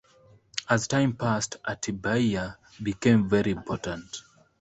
As time passed, Atibaia became very important.